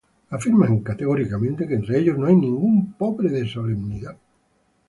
Afirman categóricamente que entre ellos no hay ningún pobre de solemnidad.